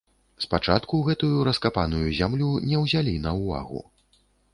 Спачатку гэтую раскапаную зямлю не ўзялі на ўвагу.